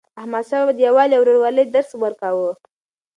احمدشاه بابا د یووالي او ورورولۍ درس ورکاوه.